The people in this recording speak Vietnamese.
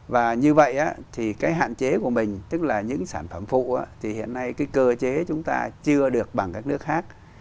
và như vậy thì cái hạn chế của mình tức là những sản phẩm phụ thì hiện nay cái cơ chế chúng ta chưa được bằng các nước khác